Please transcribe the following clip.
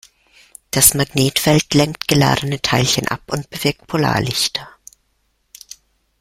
Das Magnetfeld lenkt geladene Teilchen ab und bewirkt Polarlichter.